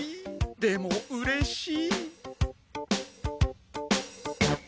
でもうれしい。